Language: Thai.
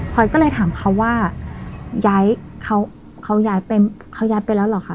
พอยก็เลยถามเขาว่าเขาย้ายไปแล้วหรอคะ